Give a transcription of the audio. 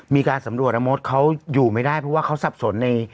มีการสำรวจนะมดเขาอยู่ไม่ได้เพราะว่าเขาสับสนใน